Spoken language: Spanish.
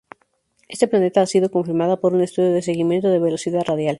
Este planeta ha sido confirmada por un estudio de seguimiento de velocidad radial.